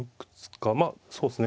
まあそうですね。